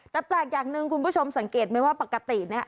แต่แปลกอย่างหนึ่งคุณผู้ชมสังเกตไหมว่าปกติเนี่ย